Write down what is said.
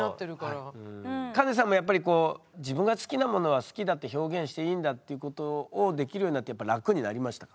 カネさんもやっぱり自分が好きなものは好きだって表現していいんだっていうことをできるようになって楽になりましたか？